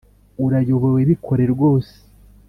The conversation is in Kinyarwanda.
urayobowe bikore rwose